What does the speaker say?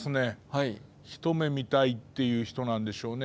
一目見たいっていう人なんでしょうね。